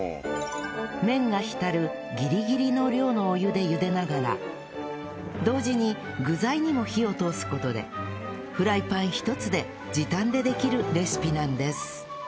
麺が浸るギリギリの量のお湯で茹でながら同時に具材にも火を通す事でフライパン１つで時短でできるレシピなんです